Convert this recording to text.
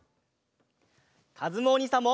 かずむおにいさんも！